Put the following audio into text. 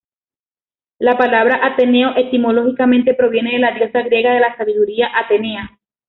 La palabra ateneo etimológicamente proviene de la diosa griega de la sabiduría Atenea.